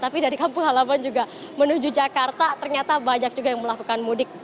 tapi dari kampung halaman juga menuju jakarta ternyata banyak juga yang melakukan mudik